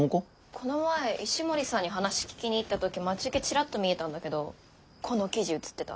この前石森さんに話聞きに行った時待ち受けチラッと見えたんだけどこの生地写ってた。